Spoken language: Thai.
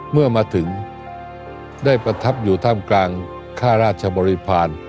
เมื่อมาถึงได้ประทับอยู่ท่ามกลางค่าราชบริพาณ